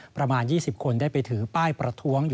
ประมาณ๒๐คนได้ไปถือป้ายประท้วงอยู่